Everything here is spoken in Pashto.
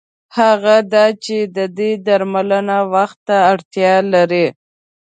هغه دا چې د دې درملنه وخت ته اړتیا لري.